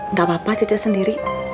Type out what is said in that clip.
gak apa apa cece sendiri